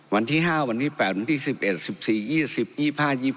วันที่๕วันที่๘วันที่๑๑๑๔๒๐๒๕